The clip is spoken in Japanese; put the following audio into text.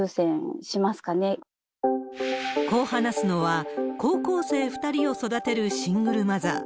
こう話すのは、高校生２人を育てるシングルマザー。